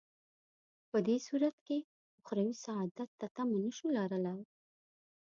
په دې صورت کې اخروي سعادت تمه نه شو لرلای.